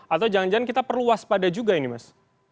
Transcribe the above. atau jangan jangan kita perlu waspada juga ini mas